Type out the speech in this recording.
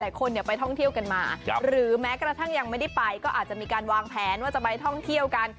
คนไปท่องเที่ยวกันมาหรือแม้กระทั่งยังไม่ได้ไปก็อาจจะมีการวางแผนว่าจะไปท่องเที่ยวกัน